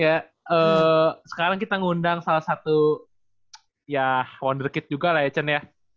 ya sekarang kita ngundang salah satu ya wonder kid juga lah ya cen ya